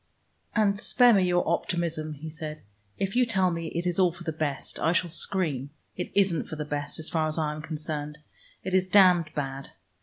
"And spare me your optimism," he said. "If you tell me it is all for the best, I shall scream. It isn't for the best, as far as I am concerned. It is damned bad.